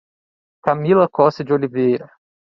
Camila Costa de Oliveira